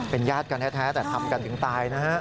เป็นญาติกันแท้แต่ทำกันถึงตายนะฮะ